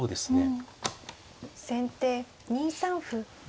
先手２三歩。